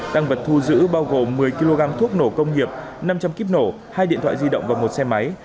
tăng vật thu giữ bao gồm một mươi kg thuốc nổ công nghiệp năm trăm linh kíp nổ hai điện thoại di động và một xe máy